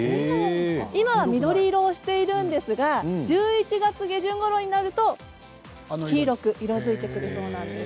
今は緑色をしているんですが１１月下旬ごろになると黄色く色づいてくるそうなんです。